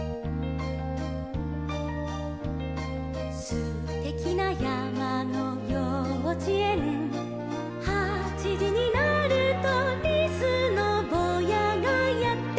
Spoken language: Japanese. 「すてきなやまのようちえん」「はちじになると」「リスのぼうやがやってきます」